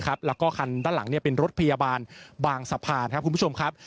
และคันด้านหลังเป็นรถพยาบาลบางสะพานครับ